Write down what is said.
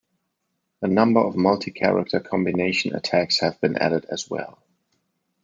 A number of multi-character combination attacks have been added as well.